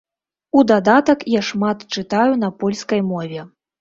У дадатак я шмат чытаю на польскай мове.